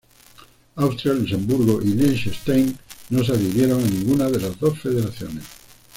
Austria, Luxemburgo y Liechtenstein no se adhirieron a ninguna de las dos federaciones.